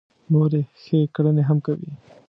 نورې ښې کړنې هم کوي.